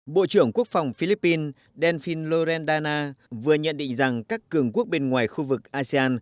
bộ trưởng quốc phòng philippines delfin lorendana vừa nhận định rằng các cường quốc bên ngoài khu vực asean